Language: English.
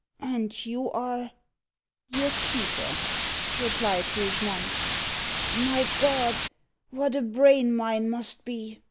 "And you are " "Your keeper," replied Rougemont. "My God! what a brain mine must be!"